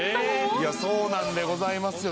いやそうなんでございますよ。